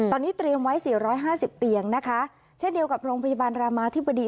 ตอนนี้เตรียมไว้๔๕๐เตียงนะคะเช่นเดียวกับโรงพยาบาลรามาธิบดี